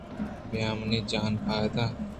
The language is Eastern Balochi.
بیامنی جان پادا